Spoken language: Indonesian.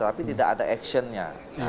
tapi tidak ada actionnya